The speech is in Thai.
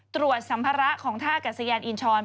ตรวจสัมภาระของท่ากับสยานอีนชอน